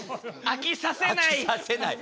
飽きさせない。